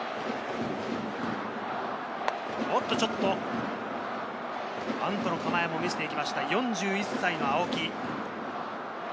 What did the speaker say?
おっと、ちょっとバントの構えも見せていきました、４１歳の青木。